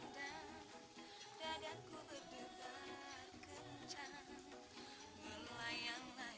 kenalin gue soraya